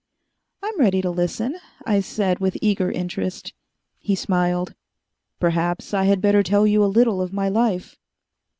"I'm ready to listen," I said with eager interest. He smiled. "Perhaps I had better tell you a little of my life."